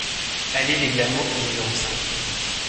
Allée des Glamots au numéro cinq